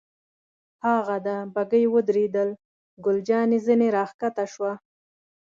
هاغه ده، بګۍ ودرېدل، ګل جانې ځنې را کښته شوه.